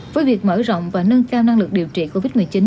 với việc mở rộng và nâng cao năng lực điều trị covid một mươi chín